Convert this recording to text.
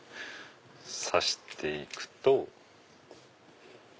差して行くと。